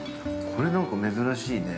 ◆これ、なんか珍しいね。